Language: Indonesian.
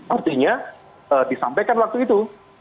artinya disampaikan waktu itu